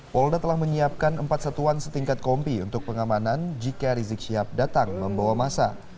polda telah menyiapkan empat satuan setingkat kompi untuk pengamanan jika rizik syihab datang membawa masa